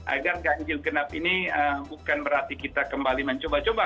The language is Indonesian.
agar ganjil genap ini bukan berarti kita kembali mencoba coba